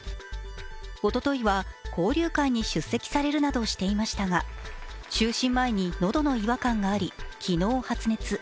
おとといは交流会に出席されるなどしていましたが就寝前に喉の違和感があり、昨日発熱。